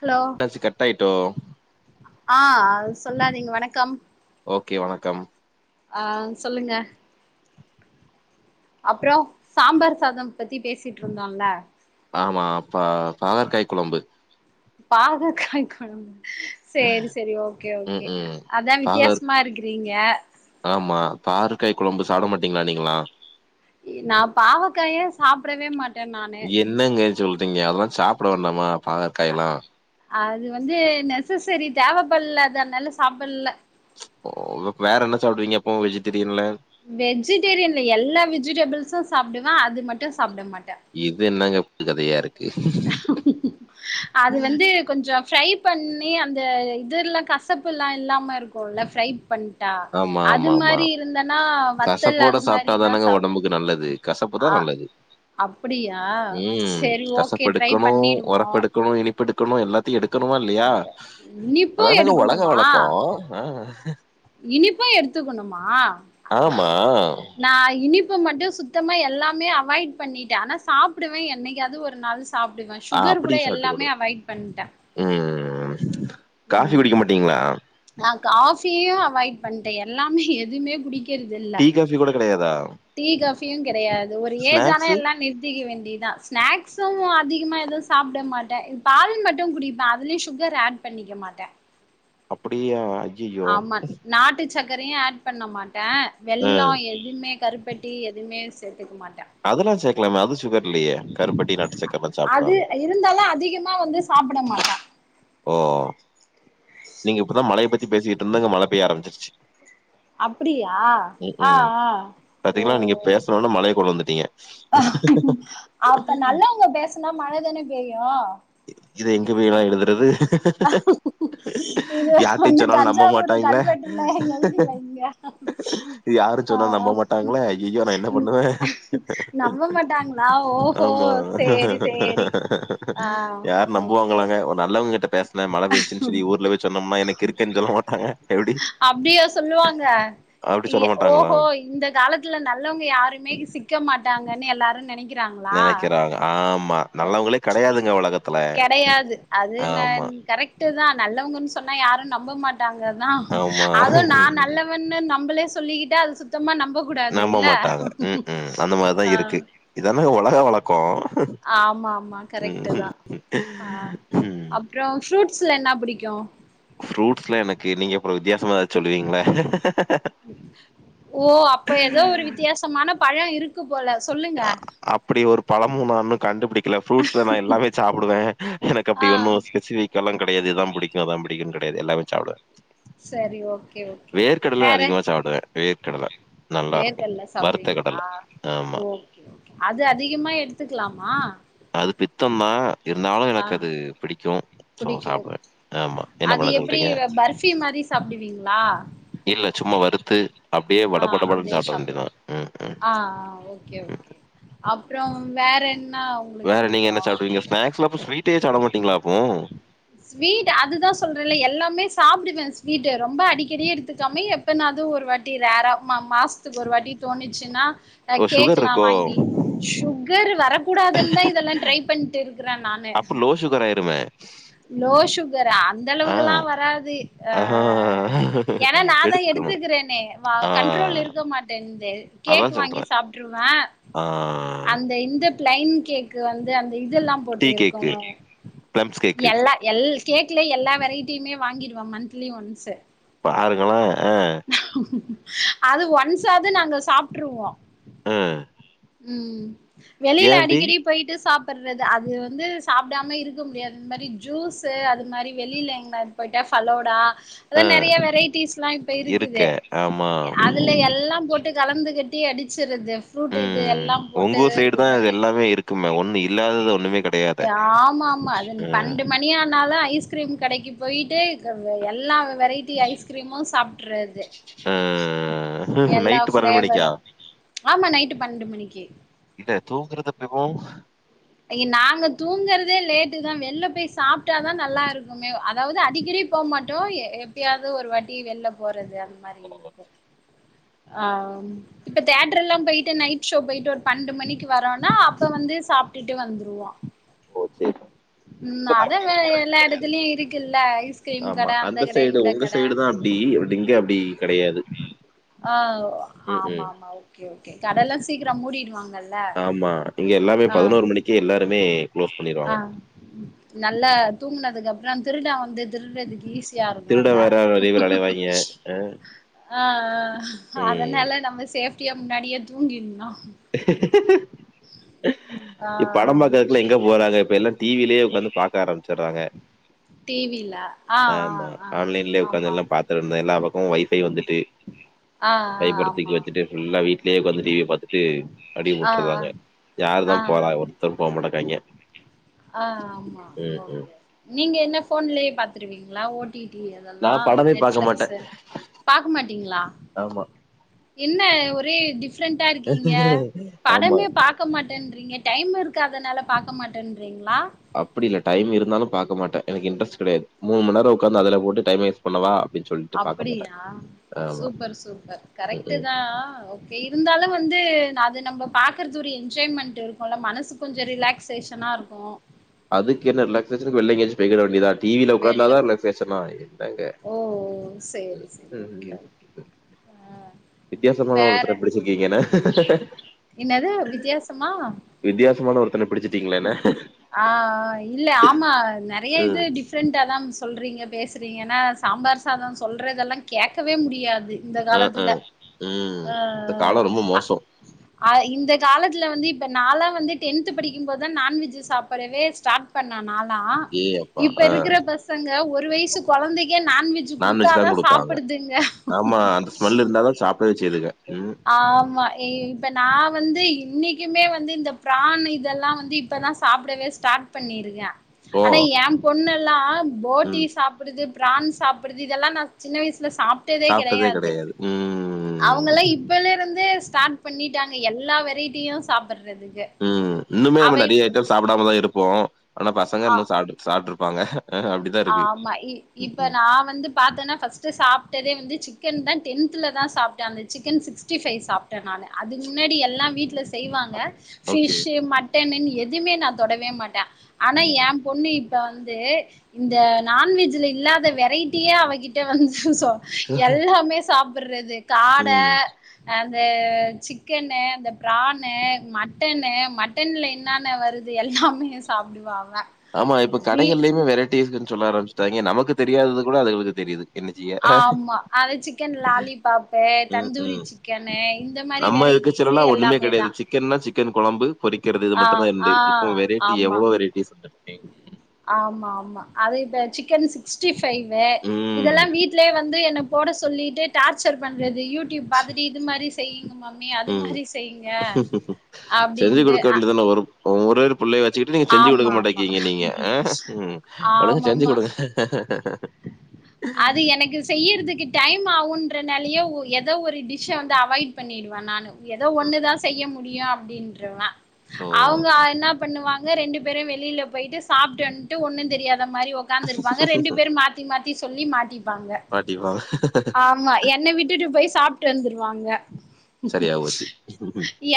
Hello என்னாச்சி cut ஆயிட்டோ ஆ அது சொல்லாதீங் வணக்கம் ஓகே வணக்கம் ஆ சொல்லுங்க அப்றோ சாம்பார் சாதம் பத்தி பேசிட்ருந்தோல்ல ஆமா ப்ப பாவக்காய் குழம்பு பாவக்கா காய் கொழம் சேரி சேரி ஓக்கே ம் ஓக்கே ம் அதா பாகற் வித்தியாசமா இருக்குறீங்க ஆமா பாருக்காய் குழம்பு சாப்ட மாட்டீங்களா நீங்களா இ நா பாவக்காய சாப்படவே மாட்டே நானு என்னங்க சொல்றீங்க அதெல்லா சாப்பட வேண்டாமா பாகற்காயல்லா அது வந்து நெசசரி தேவைப்பல்ல அதனால சாப்பல்ல ஓ வேற என்ன சாப்டுவீங்க அப்போ வெஜிடேரியன்ல வெஜிடேரியன்ல எல்லா வெஜிடபிள்ஸு சாப்டுவே அது மட்டு சாப்ட மாட்டே இது என்னங்க புது கதையா இருக் அது வந்து கொஞ்சோ ஃப்ரை பண்ணி அந்த இதுல்லா கசப்புல்லா இல்லாம இருக்குல்ல ஃப்ரை பண் ஆமா அது ஆமா ஆமா மாரி இருந்தேன்னா வத்தல் அது மாதிரிலா சாப்டுவே க்கு நல்லது கசப்பு தா நல்லது அப்டியா ம் செரி ஓகே ட்ரை கசப்பெடுக்கணு பண்ணிடுவோ ஒரப்பெடுக்கணு இனிப்பெடுக்கணு எல்லாத் த்தி எடுக்கணுமா இல்லையா இனிப்பு அதானங்க ஒலக எடுக்கணுமா வழக்கோ இனிப்ப எடுத்துக்கணுமா ஆமா நா இனிப்பு மட்டு சுத்தமா எல்லாமே அவாய்ட் பண்ணிட்டே ஆனா சாப்புடுவே என்னைக்காது ஒரு நாள் சாப்புடுவே ஆ சுகர் அப்படி கூட சாப்ட்டுக்கணு எல்லாமே அவாய்ட் பண்ட்டே ம் காஃப்பி ம் குடிக்க மாட்டீங்ளா நா காஃபியு அவாய்ட் பண்ட்டே எல்லாமே எதும்மே புடிக் டீ காஃபி கூட கெடையா தா டீ காஃப்பியு கெடையாது ஒரு ஏஜானே எல்லா நிறுத்திக்க வேண்டிதா ஸ்னாக்ஸ்சும் அதிகமா எது சாப்ட மாட்டே பால் மட்டு குடிப்பே அதுலியு சுகர் ஆட் பண்ணி க்க மாட்டே அப்படியா ஐயையோ ஆமா நாட்டு சக்கரையு ஆட் பண்ண மாட்டே வெள்ளோ ம் எ இம்மே கருப்பட்டி எதும்மே சேத்துக்க மாட்டே அதெல்லா சேக்கலாமே அது சுகர் இல்லயே கருப்பட்டி நாட்டு சக்கர்ல்லாம் அது சாப்புட்லாமே இருந்தாலு அதிகமா வந்து சாப்ட மாட்டா ஓ நீங்க இப்பதா மழையபத்தி பேசிக்கிட் இருந்தங்க மழ பேய்ய ஆரம்மிச்சிருச்சு அப்புடியா ஆ ஆ ஓ ஓ இன்னொன்னு மழைய கொண்ணுவந்துட்டீங்க அப்ப நல்லவங்க பேசுனா மழதானே பேயு இத எங்க போயி நா எழுதுறது இத யார்ட்டயு வந்து சொன்னாலு நம்ப தஞ்சாவூர் மாட்டாய்ங்களே கல்வெட்டுல எழுதிவைங்க இது யாரு சொன்னா நம்ப மாட்டாங்களே ஐயையோ நா என்ன பண்ணுவெ நம்ப மாட்டாங்களா ஓஹோ ஆம்மா சேரி சேரி ஆ யார் ஓகே நம்புவாங்களாங்க ஒர் நல்லவங்க கிட்ட பேஸ் ன என்ன மழ பெஞ்சுச்சுன் சொல்லி ஊர்ல போய் சொன்னம்னா என்ன கிறுக்கன் சொல்ல மாட்டாங்க எப்டி அப்டியா சொல்லுவாங்க அப்டி சொல்ல எ மாட்டாங்களா? ஓஹோ இந்த காலத் துல்ல நல்லவுங்க யாருமே சிக்க மாட்டாங்கன்னு எல்லாரு நெனைக் நெனைக்கிறாங்க ஆம்மா நல்லவுங்களே கெடையாதுங்க உலகத்துல ஆம்மா ட்டுதா நல்லவுங்கன் சொன்னா யாரு நம்ப மாட்டாங்கதா ஆமா. அதுவு நா நல்லவ் வன்னு நம்பளே சொல்லிகிட்டா அது சுத்தமா நம்ப கூடாது நம்ப இல்ல மாட்டாங்க உம்ஹும் அந்த மாரிதா ஆ இருக்கு இதானங்க ஒலக வழக்கொ ஆம்மா ஆம்மா கரெக்டுதா அ ம். அப்றோ ஃப்ரூட்ஸ்ல என்னா புடிக்கு ஃப்ரூட்ஸ்ல எனக்கு நீங்க அப்றோ வித்தியாசமா சொல்லுவீங்களே ஓ அப்ப ஏதோ ஒரு வித்தியாசமான பழொ இருக்கு போல சொல்லுங்க அ அப்டி ஒரு பழமும் நாஇன்னு கண்டுபுடிக்கல ஃப்ரூட்ஸ்ல நா எல்லாமே சாப்புடுவே எனக்கு ஆ அப்டி ஒன்னு ஸ்பெசிபிக்கால்லா கெடையாது இதாம் பிடிக்கு அதா பிடிக்குன் கெடையாது எல்லாமே சாப்புடுவ செரி ஓக்கே ஓக்கே வேற அதிகமா சாப்பிடுவேன் வேர்க்கடல நல்லா இருக்கும் வேர்கல்ல வறுத்த கடல சாப்டுவிங்களா ஆமா ஓ க்கே ஓக்கே அது அதிகமா எடுத்துக்கலாமா அது பித்தந்தா இருந்தாலு ஆ எனக்கு அது பிடிக்கூ சோ புடிக்கு சாப்டுவே ஆம்மா அது எப்டி பர்பி மாரி சாப்டுவீங்ளா இல்ல சும்மா வறுத்து அப்டே வடபடபடன் அப்டியே சாப்ட வேண்டியதா ஹம் ம் ஓக்கே ஓக்கே அப்றவ் வேற என்னாவ் வேறநீங்க என்ன சாப்டுவீங்க ஸ்நாக்ஸ்ல அப்போ ஸ்வீட்டே சாப்டமாட்டீங்களா அப்போ ஸ்வீட் அதுதா சொல்றேல்ல எல்லாமே சாப்டுவே ஸ்வீட் ரொம்ப அடிக்கெடி எடுத்துக்காமே எப் ப்பனாது ஒரு வாட்டி ரேரா மா மாஸ்த்துக்கு ஒரு வாட்டி தோணுச்சுன்னா அ ஓ சுகர் கேக்கலா இருக்கோ வாங்கி சுகர் வரக்கூடாதுன் தா இதெல்லா ட்ரை பண்ட்டு இருக்குற நா அப்ப லோ சுகர் ஆயிருமே லோ சுகர்ரா அந்த ஆ அளவுக்கெல்லா வராது அ ஆ என நா தா எடுக்கணும். எடுத்துக்குறேனே வ ஆ கண்ட்ரோல் இருக்க மாட்டேங்குதே கேக்கு அதான் வாங்கி சொல்றேன். சாப்ட்ரு ருவ ஆ ப்ளைன் கேக்கு வந்து அந்த இதுல்லா டீ போட்டு கேக்கு, இருக்குல் பிளம்ஸ் கேக்கு எல்லா எல் கேக்லே எல்லா வெரைட்டிமே வாங்கிறுவ மன்த்லி ஒன்ஸ் பாருங்களே அ அது ஒன்ஸ்ஸாவ்து நாங்க சாப்ட்டுருவோ ஆ. ம் வெளில ஏன் இப்டி? அடிக்கடி போயிட்டு சாப்பறது அது வந்து சாப்டாம இருக்க முடியாது அந்த மாதிரி ஜூஸ்சு அது மாரி வெளில எங்கனாது போயிட்டா ஃபாலோ டா அதா ஆ நெறையா வெரைட்டிஸ்லா இப்ப இருக்க. இருக்குதே ஆமா. ய அதுல எல்லா போட் டு கலந்துகட்டி அடிச்சிறது ஃப்ரூட் இது ம். எல்லா போட்டு உங்க ஊர் சைடு இது தான் பண்ணி எல்லாமே இருக்குமே ஒண்ணு இல்லாதத ஒண்ணுமே கட் டு ஆமா ஆமா அது பன்னெண்டு மணி ஆனாலு ஐஸ்க் கிரீம் கடைக்கி போயிட்டு க வு எல்லா வெரைட்டி ஐஸ்கிரீமு சாப்டுறது ஆ எல்லா நைட்டு மணிக்கா? ஃபிளேவரு ஆமா நைட்டு பன்னெண்டு மணிக்கு இல்ல தூங்குறது எப்பவோ ஐ நாங்க தூங்குறதே லேட்டு தா வெளில போய் சாப்ட்டாதா நல்லா இருக்குமே அதாவது அடிக்கடி போ மாட்டோ எ எப்பயாவது ஒரு வாட்டி வெள்ல போறது இது மாரி ஓ இருக்கு சரி, அ ம் இப்ப தேட்டர் எல்லா போயிட்டு நைட் ஷோ போயிட்டு ஒரு பன்னெண்டு மணிக்கு வரோனா அப்ப வந்து சாப்ட்டுட்டு வந்துருவோ ஓ சேரி ம் அதாங்க எல்லா எடத்துலயு இருக்குல்ல ஐஸ்கிரீம் கட அந்த கட இந்த கட டெய்லி அப்டிங்க அப்டி கெடையாது ஆ ஆமா ஆமா ஓகே ஓகே கடல்லா சீக்கிர மூடிடுவாங்கள் ஆமா இங்க எல்லாமே பதினோரு மணிக்கு எல்லாருமே க்ளோஸ் பண்ணிருவாங்க நல்ல தூங்கினதுக்கு அப்பறோ திருடே வந்து திருடுறதுக்கு ஈஸியா திருட இருக்குல்ல வேற நெறைய பேர் அலைவாய்ங்க. அ, ஆ ஆ ம். அதனால நம்ம சேஃப்டியா முன்னாடியே தூங்கிர்னு ஆ இ பட பாத்த எடத்தலைங் எங்க போறாங்க இப்ப எல்லா டிவிலேயே உக்காந்து பாக்க ஆரம்பிச்சுறாங்க டி வி ல ஆ ஆமா ஆ ஆன்லைன்லயே ஆ உட்காந்து ஆமா எல்லா பாத்துட்டு இருந்தா எல்லா ருக்கு ஒய்ஃபை வந்துட்டு ஆ ஆ ஆமா கைப்படுத்துகுள்ள வச்சுட்டு ஃபுல்லா வீட்லயே உக்காந்து டிவிய பாத்து அடி ஆ வுட்டுறதாங்க யாரு ஆ தா ஆ போறா ஒருத்தரு போ மாட்டக்காய்ங்க ஆ ஆமா ஓகே நீங்க என்ன ஃபோன்லயே பாத்துருவீங்களா ஓ டி டி அதெல்லா நான் படமே பாக்க மாட்டேன். நெட்ஃப்ளக்ஸ்சு பாக்க மாட்டீங்களா ஆமா. என்ன ஒரே டிஃப்ரெண்டா இருக்கீங்க ஆமா. படமே பா க்க மாட்டேறீங்க டைம் இருக்காதனால பாக்க மாட்டேன்றீங்களா அப்டி இல்ல டைம் இருந்தாலு பாக்க மாட்டே எனக்கு இன்ட்ரெஸ்ட் கெடையாது மூணு மண் நேரோ உக்காந்து அதுல போட்டு டைம் வேஸ் சொல்லவா அப்டின் சொல் அப்டியா சூப்பர் சூப்பர் கரெக்ட் ம் தா ஓ கே இருந்தாலு வந்து அது நம்ம பாக்கறது ஒரு என்ஜாய்மெண்ட் இருக்குல்ல மனசு கொஞ்சோ ரிலாக் ஸேஷனா இருக்கு அதுக்கு என்ன ரிலாக்ஸ்சேஷனுக்கு வெள்ள எங்காச்சு பேக்கிட வேண்டியதா டிவியில வெள்ல உட்காந்தாதா போய் ரிலாக்ஸ்சேஷனா என்னங்க ஓ சேரி ம் சேரி ஓகே ம் ஓகே வித்தியாசமான ஒருத்தன பிடிச்சிருக்கீங்க என என்னது வித்தியாசமா வித்தியாசமான ஒருத்தன பிடிச்சுட்டீங்கள என ஆ இல்ல ஆமா நெறைய இது ம் டிஃப் டிஃப்ரெண்ட்டா தாம் சொல்கிறீங்க பேசுறீங்கன்னா சாம்பார் சாதோ சொல்றதெல்லா கேட்கவே முடியாது இந்த ம் காலத்துல ம் ம் அ இந்த காலம் ரொம்ப அ மோசோ ஆ ஆ இந்த காலத்துல வந்து இப்ப நாலா வந்து டென்த் படிக்கு போதுதா நான்வெஜ்ஜ் சாப்டவே ஸ்டார்ட் பண்ணே நாலா ஏ அப்பா இப்ப ஆ இருக்கிற பசங்க ஒரு வயசு கொழந்தைக்கே நான்வெஜ் ஜீக்கு குடுத்தாதா சாப்பிடுதுங்க ஸ்மெல்லு இருந்தாதா சாப்படவே செய்துக ச ஆமா இப்ப நா வந்து இன்னைக்குமே வந்து இந்த பிரான் இதெல்லாம் வந்து இப்பதா சாப்படவே ஸ்டார்ட் பண்ணியிருக்கே ஓ ஆனா என் பொண்ணெல்லாம் போட்டி ம் சாப்புடுது பிரான் சாப்புடுது இதெல்லாம் நான் சின்ன வயசுல சாப் சாப்ட்டதே கெடையாது ம் அவங்கல்லா இப்பேல இருந்தே ஸ்டார்ட் பண்ணிட்டாங்க எல்லா வெரைட்டியும் சாப்படறதுக்கு ம் இன்னுமே நம்ம நறையா ஐட்டம் சாப்டாமதா இருப்போம் ஆனா பசங்க அ இன்னும் சாப்புடு சாப்ட்டு இருப்பாங்க அப்டி ஆமா இப்ப நா வந்து பாத்தோனா ஃபஸ்ட்டு சாப்ட்டதே வந்து சிக்கன் தான் டென்த்துலதா சாப்ட்டன் அந்த சிக்கன் சிக்ஸ்ட்டி ஃபை சாப் ட்டன் நானு அதுக்கு முன்னாடி எல்லா வீட்ல செய்வாங்க ஓகே ஃபிஷ்ஷூ மட்டனுன் எதுமே நா தொடவே மாட்டன் ஆனா ம் என் பொண்ணு இப்ப வந்து இந்த நான்வெஜ்ல இல்லாத வெரைட்டியே அவகிட்ட வந்து சுசோ எல்லாமே சாப்படறது காட ம் அந்த சிக்கன்னு அந்த பிரான்னு மட்டன்னு மட் டன்ல என்னன்ன வருது எல்லாமே சாப்டுவா அவ ஆமா இப்ப வீ கடைகள்லேமே வெரைட்டிஸ்ன்னு சொல்ல ஆரம்பச்சிட்டாங்க நமக்கு தெரியாதது கூட அதுங்களுக்கு தெரியிது ஆமா அது சிக்கன் லாலிபாப்பு ம் தந்தூரி சிக்கனு இந்த மாரி வெரைட்டி சர்லா ஒண்ணுமே கெடையாது சிக் கன்னா சிக்கன் கொழம்பு பொறிக்கிறது இது ஆ மட்டுந்தான் இர்லே ஆ இப்போ வெரைட்டி ஆமா எவ்ளோ வெரைட்டிஸ் வந்து ஆமா ஆமா அது இப்ப சிக்கன் சிக் ஸ்டிஃபைவ்வு ம் இதெல்லாம் வீட்லே வந்து என்ன போட சொல்லிட்டு டார்ச்சர் பண்றது யூ டியூப் பாத்துட்டு இது மாரி செய்யுங்க மம்மி அது ம் மாரி செய்யுங்க அப்டின்ட்டு ஆ இதுன்னா வரும் அவுங்க ஒரே ஒரு புள்ளைய வச்சிக்கிட்டு நீங்க செஞ்சி குடுக்க ஆமா ஆமா மாட்டேக்கீங்க நீங்க ஆ ம் ஒழுங்க செஞ்சி ஆமாமா குடுங்க அது எனக்கு செய்யறதுக்கு டைம் ஆகுன்றனாலயே ஒ எதா ஒரு டிஷ்ஷ வந்து அவாய்ட் பண்ணிடுவன் நானு எதோ ம். ஒண்ணுதானக்ஷ செய்ய முடியும் அப்டின்றுவ ஓ அவுங்க என்ன பண்ணுவாங் க ரெண்டு பேரும் வெளியில போயிட்டு சாப்ட்டு வன்ட்டு ஒன்னும் தெரியாத மாரி ஒக் காந்து இருப்பாங்க ரெண்டு பேரும் மாத்தி மாத்தி சொல்லி மாட்டிப்பாங்க மாட்டிப்பாங்க ஆமா என்னை விட்டுட்டு போய் சாப் ட்டு வந்துருவாங்க சரியாபோச்சி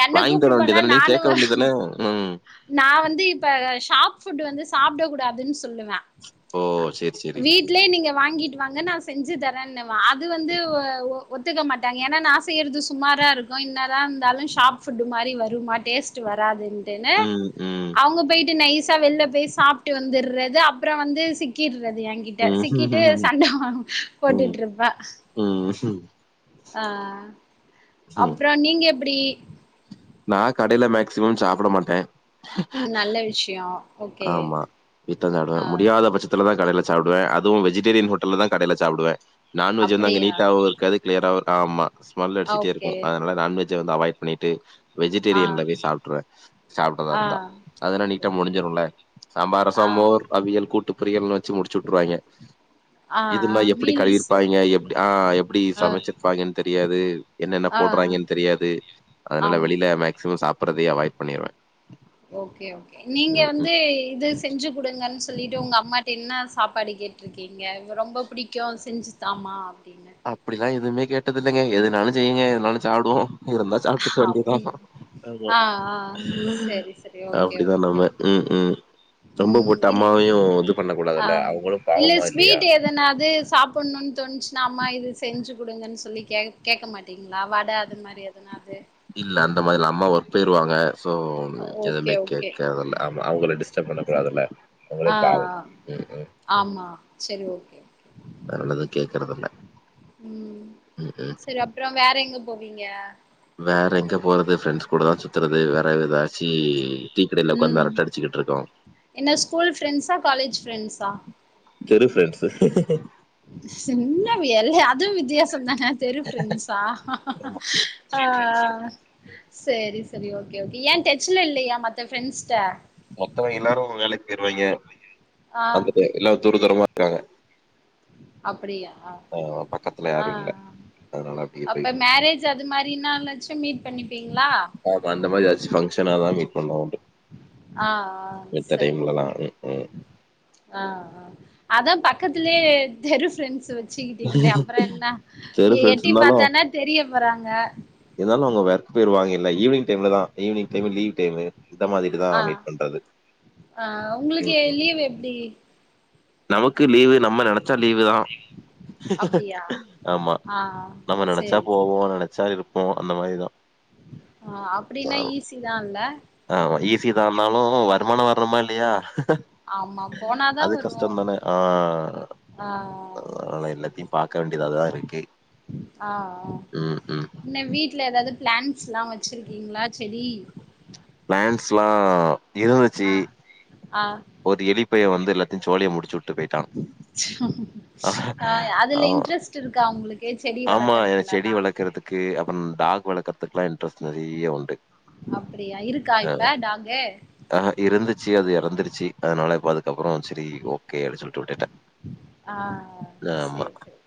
என்ன வாங்கி தர கூப்ட்டு போனா வேண்டியதானே நீ நானு கேக்க வேண்டியதான ம் நா வந்து இப்ப ஷாப் ஃபுட் வந்து சாப்பட கூடாதுன் சொல்லுவன் ஓ செரி செரி வீட்லே நீங்க வாங்கிட்டு வாங்க நா செஞ்சி தரேன்னுவ அது வந்து ஒ ஒ ஒத்துக்க மாட் டாங்க ஏனா நான் செய்யறது சுமரா இருக்கும் இன்னதான் இருந்தாலும் ஷாப் ஃபுட்டு் மாரி வருமா டேஸ்ட்டு வராதுன் டினு ம் ம் அவங்க போயிட்டு நைஸ் ஸா வெள்ல போய் சாப்ட்டு வந்துறது அப்புறம் வந்து சிக்கிறது என் கிட்ட சிக்கிட்டு ம் சண்ட ம் போட்டுட்டு இருப்ப ம் ஆ ம் அப்றோ நீங்க எப்டி நா கடையில மேக்சிமம் சாப்ட மாட்டே நல்ல விஷயோ ஓகே ஆமா இத்த தடவ ஆ முடியாத பச்சத் த்துலதா கடைல சாப்டுவ அதுவு வெஜிடேரியன் ஹோட்டல்லதா கடைல சாப்டுவ நான்வெஜ் வந்து அங்க அப்படியா நீட்டவோரு காது க்ளியராவு ஆமா ஸ்மெல் அடிச்சிடே இருக்கு ஓகே அதனால நான்வெஜ்ஜ வந்து அவாய்ட் பண்ணிட்டு ஆ வெஜிடேரியன்ல போய் சாப்ட்ருவ சாப்ட்டதா ஆ இருந்தா அததுனா நீட்டா முடிஞ்சிரும்ல சாம்பார் ரசோ ஆ மோர் அவியல் கூட்டு பொரியல்னு வெச்சு முடிச்சுவுட்டுருவாய்ங்க ஆ இதுனா எப்டி மீல்ஸ் கழுவிருப்பாய்ங்க எப்டி ஆ எப்டி ஆ சமச்சிருப்பாய்ங்கன் தெரியாது என்னென்ன ஆ போட்றாய்ங்கன் தெரியாது அதனால ஆமா வெளில மேக்சிமம் சாப்பட்றதயே அவாய்ட் பண்ணிருவே ஓகே ஓகே நீங்க ம் ம் வந்து இது செஞ்சு குடுங்கன் சொல்லிட்டு உங்க அம்மாட்ட என்ன சாப்பாடு கேட்ருக்கீங்க ரொம்ப பிடிக்கு செஞ்சு தாமா அப்டினு அப்டிலா எதுமே கேட்டதில்லங்க எதுனாலு செய்யுங்க எதனாலு சாப்டுவோ இருந்தா சாப்ட்டுக்க வேண்டிதா அப்டி ஆமா ஆ ஆ செரி செரி ஓகே அப்டிதா ஓகே நம்ம ம் ம் ரொம்ப ம் போட்டு இல் அம்மாவையு இது பண்ண ஆ கூடாதுல்ல அவங்களு இல்ல பாவமா இல்லையா ஸ்வீட்டு எதனாது சாப் புன்னு தோன்ச்சுனா அம்மா இது செஞ்சு குடுங்கன் சொல்லி கேக் கேக்க மாட்டீங்ளா வடை அது மா ரி எதுனாது இல்ல அந்த மாரி இல்ல அம்மா ஒர்க் போய்ருவாங்க ஸோ எதுமே ஓகே ஓகே கேக்கறதில்ல ஆமா அவுங்கள டிஸ்டப் பண்ண கூடாதுல ஆ உங்களுக்காகு ஆ ம் ம் ஆமா செரி ஓகே அதனாலதா கேக்குறதில்ல ம் ம் ம் செரி அப்றோ வேற எங்க போவீங்க வேற எங்க போறது ஃப்ரெண்ட்ஸ் கூடதா சுத்தறது வேற எதாச்சி ம் என்ன ஸ்கூல் ஃப்ரெண்ட்ஸ்ஸா காலேஜ் ஃப்ரெண்ட்ஸ்ஸா தெரு ஃப்ரெண்ட்ஸ்ஸு சின்ன வியல்ல அதுவு வித்தியாசசோந்தா அ தெரு ஃப்ரெண்ட்ஸ்ஸா ஆமா அ ஸ்ட்ரீட் ஃப்ரெண்ட்ஸ் அ சேரி சேரி ஓகே ஓகே ஏ டச்ல இல்லியா மத்த ஃப்ரெண்ஸ்ட்ட மத்தவைங்க எல்லாரு வேலைக் போய்ருவாய்ங்க ஆ [unintelligible] எல்லா தூர தூரமா இருக்காங்க அப்படியா அ பக்கத்துல யாரு இல்ல அதனால அப்படியே போய் அப்ப மேரேஜ் அது மாரி நாளாச்சு மீட் பண்ணிப்பீங்ளா ஆமா அந்த மாரி எதாச்சு ஃபங்க்ஷன்னாதா மீட் பண்ணுவோ ஆ ஆ செரி ஓகே ஆ ஆ அதா பக்கத்துலே தெரு ஃப்ரெண்ஸ்ஸு வெச்சிக்கிட்டீங்ளே அப்றோ என்ன தெரு எ ஃப்ரெண்ட்ஸ் எட்டி பாத்தான்னா தெரிய போறாங்க எதாலு அவுங்க ஒர்க் போய்ருவாங்கல ஈவினிங் டைம்லதா ஈவினிங் டைமு லீவ் டைமு இந்த மாரிதா மீட் பண்றது அ உங்களுக்கு ம், ம். லீவ் எப்டி நமக்கு லீவு நம்ம நெனச்சா லீவுதா அப்டியா ஆமா ஆ நம்ம நெனச்சா சேரி போவோ நெனச்சா இருப்போ அந்த மாரிதா அ அப்டினா ஈஸிதால்ல ஆமா ஈஸிதான்னாலு வருமானோ வருமா இல்லியா ஆமா போனாதா அது வருவோ கஸ்டோதான ஆ ஆ ஆ அதனால எல்லாத்தயு பாக்க வேண்டியதாதா இருக்கு அ அ ம், ம். என்ன வீட்ல எதாவது பிளான்ஸ்ல்லா வச்சிருக்கீங்களா செடி பிளான்ஸ்ல்லா இருந்துச்சி அஹ் ஒரு எலிப்பைய வந்து எல்லாத்தயு சோலிய முடிச்சுட் விட்டு போய்ட்டா அ அதுல இன்ட்ரெஸ்ட் இருக்கா உங்களுக்கு செடி வளக்குறதுலல்லா க்கு அப்றோ டாக் வளக்கறதுக்குல்லா இன்ட்ரெஸ்ட் நறிய உண்டு அப்டியா இருக்கா இப்ப டாகு அஹ் இருந்துச்சி அது எறந்துடுச்சி அதனால இப்ப அதுக்கப்றோ சரி ஓகே அப்டி சொல்ட்டு விட்டுட்டே ஆஹ் சேரி